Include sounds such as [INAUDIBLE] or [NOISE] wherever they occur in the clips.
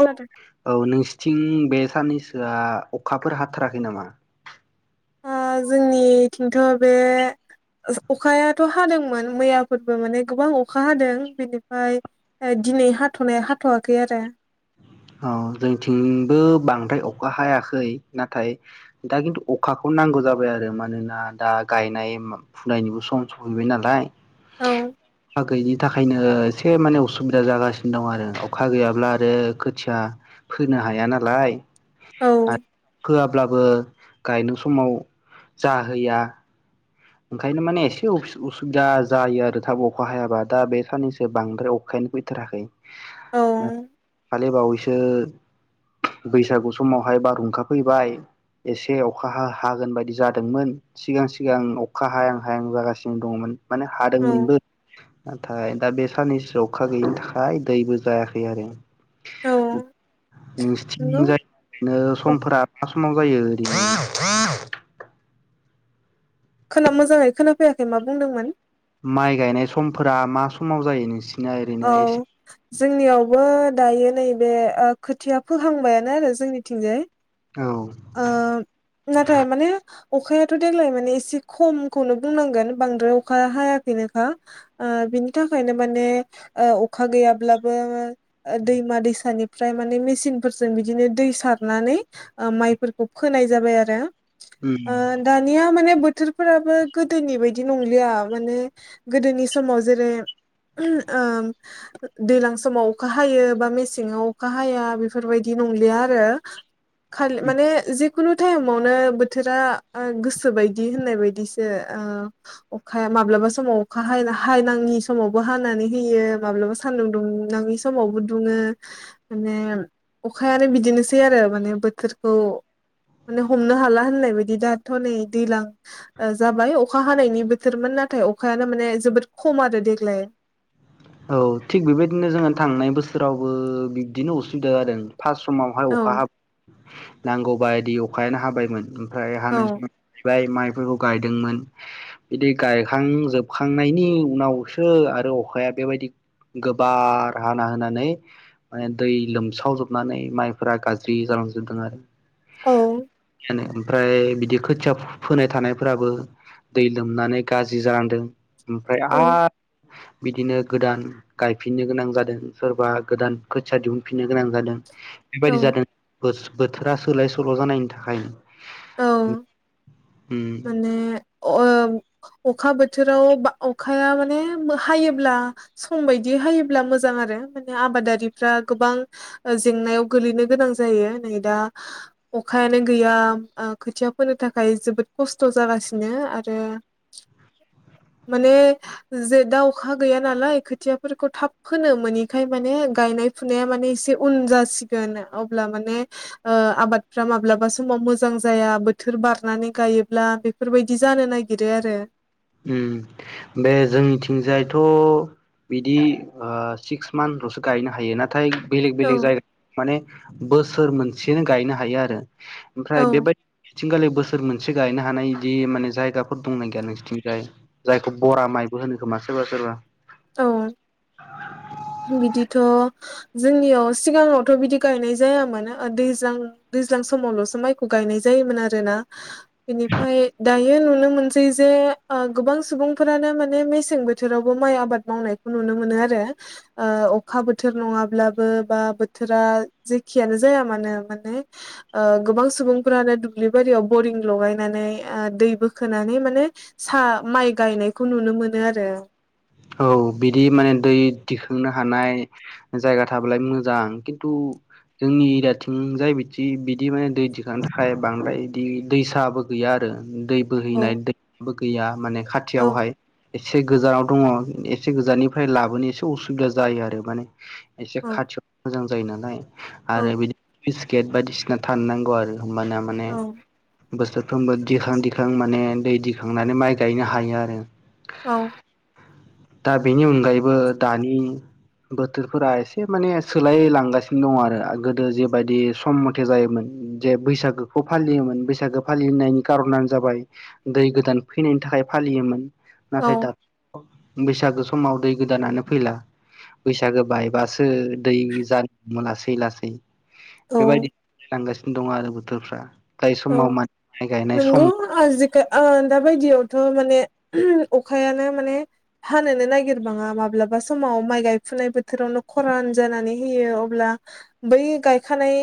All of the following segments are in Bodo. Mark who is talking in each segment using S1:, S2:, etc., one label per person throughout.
S1: औ औ नोंसिथिं बे साननैसोआ अखाफोर हाथाराखै नामा
S2: ओ जोंनिथिंथ' बे अखायाथ' हादोंमोन मैयाफोरबो माने गोबां अखा हादों बेनिफ्राय दिनै हाथ'नाया हाथ'वाखै आरो
S1: औ जोंथिंबो बांद्राय अखा हायाखै नाथाय दा खिन्थु अखाखौ नांगौ जाबाय आरो मानोना दा गायनाय फुनायनिबो सम सफैबाय नालाय
S2: औ
S1: अखा गैयिनि थाखायनो एसे माने असुबिदा जागासिनो दं आरो अखा गैयाब्ला आरो खोथिया फोनो हाया नालाय
S2: औ
S1: आर फोआब्लाबो गायनो समाव जाहैया ओंखायनो माने एसे उसु उसुबिदा जायो आरो थाब अखा हायाबा दा बे साननैसो बांद्राय अखायानो फैथाराखै
S2: औ
S1: ओ दाखालि बावैसो ओ बैसागु समावहाय बारहुंखा फैबाय एसे अखा हा हा हागोन बायदि जादोंमोन सिगां सिगां अखा हायां हायां जागासिनो दङमोन माने
S2: औ
S1: हादोंमोनबो नाथाय दा बे साननैसोआव अखा गैयिनि थाखाय दैबो जायाखै आरो
S2: औ नंगौ
S1: नोंसिथिंजाय ओ समफोरा मा समाव जायो [INAUDIBLE]
S2: खोना मोजाङै खोनाफैयाखै मा बुंदोंमोन
S1: माइ गायनाय समफोरा मा समाव जायो नोंसि
S2: औ जोंनियावबो दायो नैबे ओ खोथिया फोहांबायानो आरो जोंनिथिंजाय।
S1: औ
S2: ओ नाथाय माने अखायाथ' देग्लाय माने एसे खमखौनो बुंनांगोन बांद्राय अखाया हायाखैनोखा ओ बिनि थाखायनो माने ओ अखा गैयाब्लाबो ओ दैमा दैसानिफ्राय माने मेसिनफोरजों बिदिनो दै सारनानै ओ माइ फोरखौ फोनाय जाबाय आरो। ओ दानिया माने बोथोरफोराबो गोदोनि बायदि नंलिया माने गोदोनि समाव जेरै ओ दैज्लां समाव अखा हायो बा मेसेङाव अखा हाया बेफोरबायदि नंलिया आरो। माने जि खुनु टाइमावनो बोथोरा ओ गोसो बायदि होननाय बायदिसो ओ अखाया माब्लाबा समाव अखा हाला हायनाङि समावबो हानानै होयो माब्लाबा सान्दुं दुंनाङि समावबो दुङो माने अखायानो बिदिनोसै आरो माने बोथोर खौ माने हमनो हाला होननाय बायदि दाथ' नै दैज्लां ओ जाबाय अखा हानायनि बोथोरमोन नाथाय अखायानो माने जोबोद खम आरो देग्लाय।
S1: औ थिग बेबायदिनो जोङो थांनाय बोसोरावबो बिब्दिनो असुबिदा जादों। फास समावहाय
S2: औ
S1: अखा हाब नांगौ। बायदि अखायानो हाबायमोन। ओमफ्राय
S2: औ
S1: हानाय सम [INAUDIBLE] बाय माइ फोरखौ गायदोंमोन बिदि गायखांजोबखांनायनि उनावसो आरो अखाया बेबायदि गोबार हाना होनानै माने दै लोमसावजोबनानै माइफोरा गाज्रि जालांजोबदों आरो।
S2: औ
S1: नो ओमफ्राय बिदि खोथिया फोनाय थानायफोराबो दै लोमनानै गाज्रि जालांदों। ओमफ्राय
S2: औ
S1: आ बिदिनो गोदान गायफिननो गोनां जादों सोरबा गोदान खोथिया दिहुनफिननो गोनां जादों। बेबायादि जादों गोस बोथोरा सोलाय सोल' जानायनि थाखाय
S2: औ माने अओ अखा बोथोराव बा अखाया माने हायोब्ला सम बायदि हायोब्ला मोजां आरो माने आबादारिफ्रा गोबां ओ जेंनायाव गोलैनो गोनां जायो नै दा अखायानो गैया ओ खोथिया फोनो थाखाय जोबोद खस्थ' जागासिनो आरो माने जे दा अखा गैया नालाय खोथियाफोरखौ थाब फोनो मोनैखाय माने गायनाय फुनाया माने एसे उन जासिगोन अब्ला माने ओ आबादफ्रा माब्लाबा समाव मोजां जाया बोथोर बारनानै गायो ब्ला बेफोरबायदि जानो नागिरो आरो।
S1: उम बे जोंनिथिंजायथ' बिदि ओ सिक्स मानल'सो गायनो हायो नाथाय
S2: औ
S1: बेलेग-बेलेग जायगा माने बोसोर मोनसेनो गायनो हायो आरो। ओमफ्राय
S2: औ
S1: बेबायदि थिंगालि बोसोर मोनसे सो गायनो हानाय बिदि माने जायगाफोर दंना गैया नोंसिनिथिं जाय जायखौ बरा माइबो होनो खोमा सोरबा सोरबा।
S2: औ बिदिथ' जोंनियाव सिगाङावथ' बिदि गायनाय जायामोन ओ दैज्लां-दैज्लां समावल'सो माइखौ गायनाय जायोमोन आरोना बिनिफ्राय दायो नुनो मोनसै जे ओ गोबां सुबुंफोरानो माने मेसें बोथोरावबो माइ आबाद मावनायखौ नुनो मोनो आरो ओ अखा बोथोर नङाब्लाबो बा बोथोरा जेखियानो जाया मानो माने ओ गोबां सुबुंफ्रानो दुब्लि बारियाव बरिं लगायनानै ओ दै बोखोनानै माने सा माइ गायनायखौ नुनो मोनो आरो।
S1: औ बिदि माने दै दिखांनो हानाय जायगा थाबालाय मोजां खिन्थु जोंनि एरियाथिं जाय बिदि-बिदि माने दै दिखांनो थाखाय बांद्राय बिदि दैसाबो गैया आरो। दै बोहैनाय
S2: औ
S1: दै बो गैया माने
S2: औ
S1: खाथियावहाय एसे गोजानाव दङ। एसे गोजाननिफ्राय लाबोनो एसे उसुबिदा जायो आरो माने एसे
S2: औ
S1: खाथियाव मोजां जायो नालाय आरो
S2: औ
S1: बिदिनो बिस्केट बायदिसिना थानोनांगौ आरो। होनबाना माने
S2: औ
S1: बोसोरफ्रोमबो दिखां दिखां माने दै दिखांनानै माइ गायनो हायो आरो।
S2: औ।
S1: दा बेनि अनगायैबो दानि बोथोरफोरा एसे माने सोलायलांगासिनो दङ आरो। गोदो जेबायदि सम मथे जायोमोन जे बैसागोखौ फालियोमोन बैसागो फालिनायनि कार'नानो जाबाय दै गोदान फैनायनि थाखाय फालियोमोन। नाथाय
S2: औ
S1: दा बैसागो समाव दै गोदानानो फैला बैसागो बायबासो दै जानो लासै लासै बेबायदि
S2: औ
S1: लांगासिनो दं आरो बोथोरफ्रा। जाय
S2: औ
S1: समाव माइ गायनाय
S2: नंगौ
S1: सम
S2: आजिखा आ दाबायदियावथ' माने अखायानो माने हानोनो नागिरबाङा माब्लाबा समाव माइ गायफुनाय बोथोरावनो खरान जानानै होयो अब्ला बै गायखानाय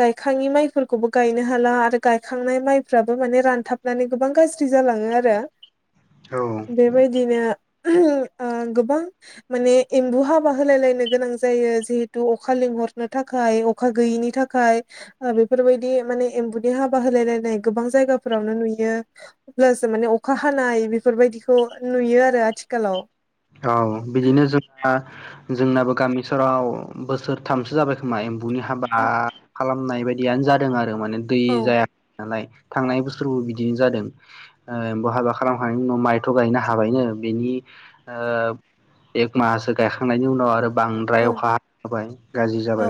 S2: गायखाङि माइफोरखौबो गायनो हाला आरो गायखांनाय माइफ्राबो माने रानथाबनानै गोबां गाज्रि जालाङो आरो।
S1: औ
S2: बेबायदिनो ओ गोबां माने एम्बु हाबा होलायलायनो गोनां जायो जिहेतु अखा लिंहरनो थाखाय अखा गैयिनि थाखाय बेफोरबायदि माने एम्बु नि हाबा होलाय लायनाय गोबां जायगाफोरावनो नुयो। अब्लासो माने अखा हानाय बेफोरबायदिखौ नुयो आरो आथिखालाव।
S1: औ बिदिनो जोंना जोंनाबो गामि ओनसोलाव बोसोरथामसो जाबाय खोमा एम बुनि हाबा खालाम नाय बायदियानो जादों आरो आरो माने दै
S2: औ
S1: जायाखै नालाय। थांनाय बोसोरबो बिदिनो जादों ओ हाबा खालामखांनायनि उनाव माइथ' गायनो हाबायनो बेनि ओ एक मासो गायखांनायनि उनाव आरो बांद्राय
S2: औ
S1: अखा हाना होबाय गाज्रि जाबाय
S2: औ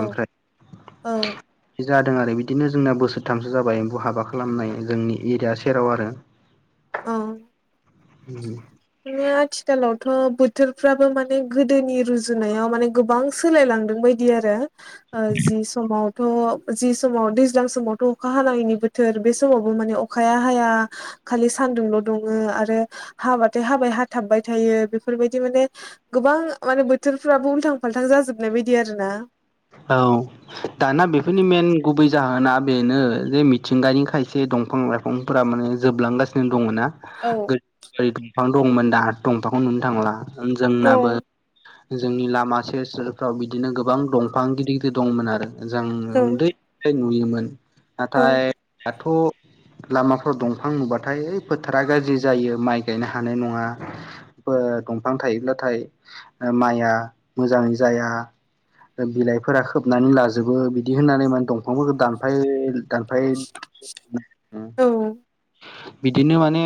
S2: औ
S1: ओमफ्राय। जादों आरो बिदिनो जोंना बोसोरथामसो जाबाय एम्फौ हाबा खालामनाय जोंनि एरिया सेराव आरो।
S2: औ। बिदिनो आथिखालाव थ' बोथोरफ्राबो माने गोदोनि रुजुनायाव माने गोबां सोलायलांदों बायदि आरो। ओ जि समाव थ' जि समाव दैज्लां समावथ' अखा हानायनि बोथोर बे समावबो माने अखाया हाया। खालि सान्दुंल' दुङो आरो हाबाथाय हाबाय हाथाबबाय थायो बेफोरबायदि माने गोबां माने बोथोरफ्राबो उल्थां फाल्थां जाजोबनाय बायदि आरो ना।
S1: औ दाना बेफोरनि मेन गुबै जाहोना बेनो जे मिथिंगानि खायसे दंफां लाइफांफोरा माने जोबलांगासिनो दङ ना।
S2: औ
S1: [UNINTELLIGIBLE] बिफां दंमोन दाथ' दंफांखौनो नुनो थांला
S2: औ
S1: जोंनाबो जोंनि लामा सेर सेरफ्राव बिदिनो गोबां दं फां गिदिर गिदिर दंमोन आरो मोजां
S2: औ
S1: उन्दै नुयोमोन
S2: औ
S1: नाथाय दाथ' लामाफ्राव दंफां नुबाथाय ओ फोथारा गाज्रि जायो माइ गायनो हानाय नङा दंफां थायोब्लाथाय माइआ मोजाङै जाया बिलाइफोरा खोबनानै लाजोबो बिदि होननानै माने दंफांफोरखौ दानफाय दानफाय
S2: औ
S1: बिदिनो माने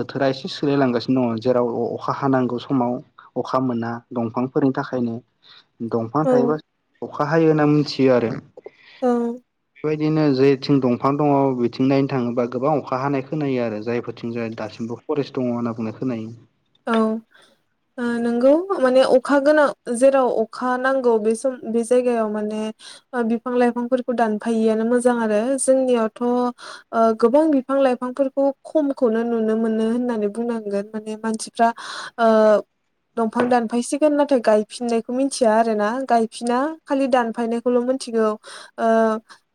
S1: बोथोरा एसे सोलायलांगासिनो दङ जेराव अखा हानांगौ समाव अखा मोना दंफांफोरनि थाखायनो दंफां
S2: औ
S1: थायोबा अखा हायो होनना मिथियो आरो
S2: औ
S1: बेबायदिनो जेथिं दंफां दङ बिथिं नायनो थाङोबा गोबां अखा हानाय खोनायो आरो जायफोरथिं जाय दासिमबो फरेस्ट दङ होनना बुंनाय खोनायो
S2: औ ओ नोंगौ माने अखा गोनां जेराव अखा नांगौ बे सम बे जायगायाव माने बिफां लाइफांफोरखौ दानफायिआनो मोजां आरो जोंनियावथ' गोबां बिफां लाइफांफोरखौ खमखौनो नुनो मोनो होननानै बुंनांगोन माने मानसि फ्रा ओ दंफां दानफायसिगोन नाथाय गायफिननायखौ मिथिया आरोना गायफिना खालि दानफायनायखौल' मिथिगौ ओ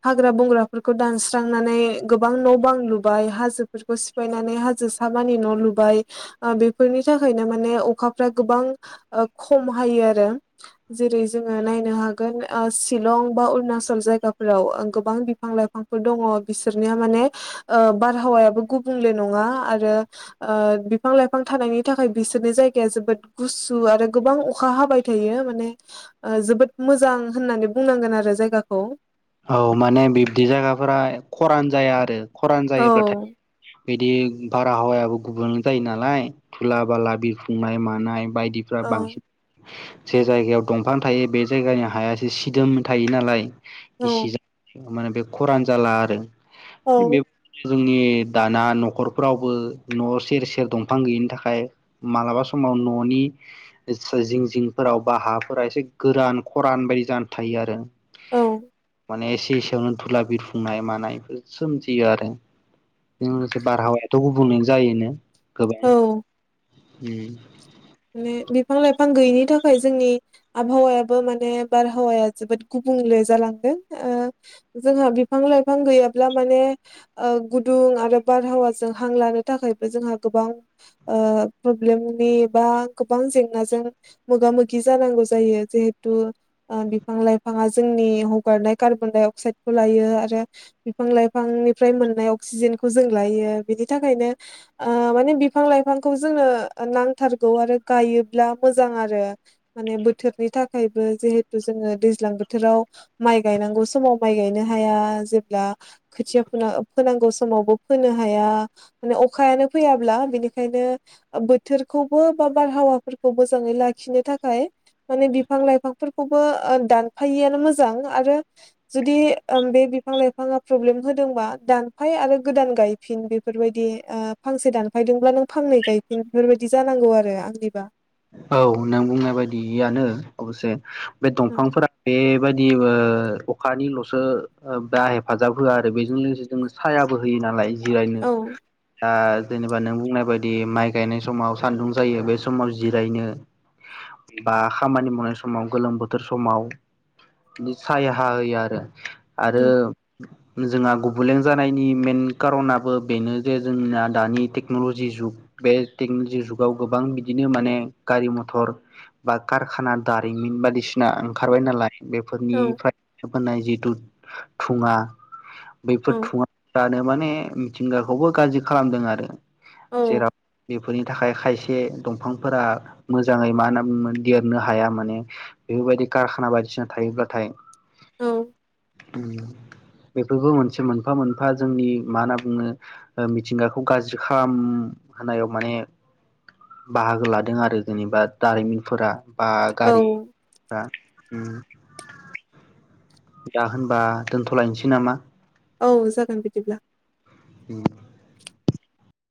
S2: हाग्रा बंग्राफोरखौ दानस्रांनानै गोबां न' बां लुबाय हाजोफोरखौ सिफायनानै हाजो साबानि न' लुबाय ओ बे बेफोरनि थाखायनो माने अखाफ्रा गोबां खम हायो आरो जेरै जोङो नायनो हागोन सिलं बा अरुणाचल जायगाफोराव गोबां बिफां लाइफांफोर दङ बिसोरनिया माने ओ बारहावायाबो गुबुंले नङा आरो ओ बिफां लाइफां बिफां थानायनि थाखाय बिसोरनि जायगाया जोबोद गुसु आरो गोबां अखा हाबाय थायो माने ओ जोबोद मोजां होननानै बुंनांगोन आरो जायगाखौ।
S1: औ माने बिब्दि जायगाफोरा खरान जाया आरो खरान
S2: औ
S1: जायोब्लाथाय बिदि बारहावायाबो गुबुंले जायो नालाय खुला बाला बिरफुंनाय मानाय। बायदिफ्रा
S2: औ
S1: बांसिन जे जायगायाव दंफां थायो बे जायगानि हायासो सिदोम थायो नालाय गिसि
S2: औ
S1: जा बे
S2: औ
S1: जोंनि दाना न'खरफोरावबो न' सेर सेर दंफां गैयिनि थाखाय मालाबा समाव न'नि जिं जिंफोराव बा हाफोरा एसे गोरान खरान बायदि जानानै थायो आरो
S2: औ
S1: माने एसे एसेयावनो धुला बिरफुंनाय मानाय बेफोर सोमजियो आरो बेजों लोगोसे बारहावायाथ' गुबुंले जायोनो। गोबां
S2: औ
S1: उम
S2: माने लाइफां बिफां गैयिनि थाखाय जोंनि आबहावायाबो माने बारहावाया जोबोद गुबुंले जालांदों ओ जोंहा बिफां लाइफां गैयाब्ला माने गुदुं आरो बारहावाजों हां लानो थाखायबो जों गोबां ओ प्रब्लेमनि बा गोबां जेंनाजों मोगा-मोगि जानांगौ जायो जिहेथु बिफां-लाइफाङा जोंनि हगारनाय कार्बन डाइ अक्साइदखौ लायो आरो बिफां-लाइफांनिफ्राय मोननाय अक्सिजेनखौ जों लायो बेनि थाखायनो माने बिफां लाइफांखौ जोंनो नांथारगौ आरो गायोब्ला मोजां आरो माने बोथोरनि थाखायबो जिहेथु जोङो दैज्लां बोथोराव माइ गायनांगौ समाव माइ गायनो हाया जेब्ला खोथिया फो फोनांगौ समावबो फोनो हाया माने अखायानो फैयाब्ला बिनिखायनो बोथोरखौबो बा बारहावाफोरखौ मोजाङै लाखिनो थाखाय माने बिफां लाइफांफोरखौबो दानफायैआनो मोजां आरो जुदि बे बिफां लाइफाङा प्रब्लेम होदोंबा दानफाय आरो गोदान गायफिन बेफोरबायदि ओ फांसे दानफायदोंब्ला नों फांनै गायफिन बेफोरबायदि जानांगौ आरो आंनिबा।
S1: औ नों बुंनाय बायदियानो अबसे बे दंफांफोरा बे बेबायदि ओ अखानिल'सो बा हेफाजाब होआ आरो बेजों लोगोसे जों सायाबो होयो नालाय। जिरायनो
S2: औ
S1: आ जेनेबा नों बुंनाय बायदि माइ गायनाय समाव सान्दुं जायो बे समाव जिरायनो बा खामानि मावनाय समाव गोलोम बोथोर समाव बि सायहा होयो आरो आरो
S2: उम
S1: जोंहा गुबुंलें जानायनि मेन कार'नाबो बेनो जे जोंना दानि टेक्न'लजि जुग बे टेक्न'लजि जुगाव गोबां बिदि नो माने गारि मथर बा कारखाना दारिमिन बायदिसिना ओंखारबाय नालाय।
S2: औ
S1: बेफोरनिफ्राय होनाय जिथु धुङा बैफोर
S2: औ
S1: धुवा या माने मिथिंगाखौबो गाज्रि खालामदों आरो
S2: औ
S1: जेराव बे बेफोरनि थाखाय खायसे दंफांफोरा मोजाङै मा होनो देरनो हाया माने बेफोरबायदि कारखाना बायदिसिना थायोब्लाथाय।
S2: औ
S1: बेफोरबो मोनसे मोनफा मोनफा जोंनि मा होनना बुङो मिथिंगाखौ गाज्रि खालामहोयाव माने बाहागो लादों आरो जेनेबा दारिमिनफोरा बा
S2: औ
S1: गारिफ्रा उम दा होनबा दोनथ'लायनोसै नामा?
S2: औ जागोन बिदिब्ला।
S1: उम